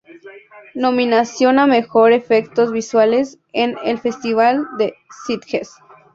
Nominación a mejor efectos visuales en el Festival de Sitges.